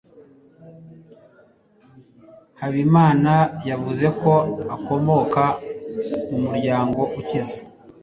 habimana yavuze ko akomoka mu muryango ukize